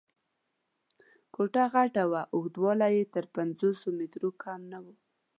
کوټه غټه وه، اوږدوالی یې تر پنځلس مترو کم نه و.